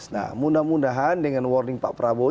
nah mudah mudahan dengan warning pak prabowo